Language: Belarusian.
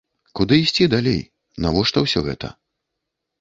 Куды ісці далей, навошта ўсё гэта?